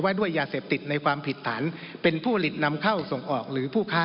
ด้วยยาเสพติดในความผิดฐานเป็นผู้ผลิตนำเข้าส่งออกหรือผู้ค้า